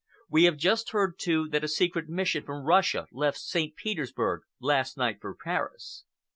We have just heard, too, that a secret mission from Russia left St. Petersburg last night for Paris.